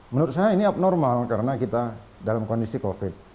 menurut saya ini abnormal karena kita dalam kondisi covid